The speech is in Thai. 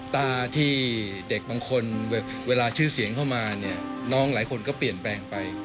ตาที่เด็กบางคนเวลาชื่อเสียงเข้ามาเนี่ยน้องหลายคนก็เปลี่ยนแปลงไป